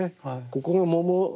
ここの桃。